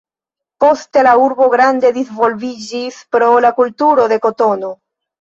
Poste, la urbo grande disvolviĝis pro la kulturo de kotono.